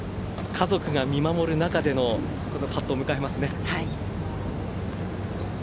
家族が見守る中でのこのパットを迎えます。